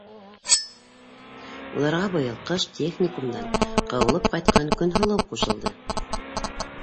Уларға быйыл ҡыш техникумдан ҡыуылып ҡайтҡан Көнһылыу ҡушылды.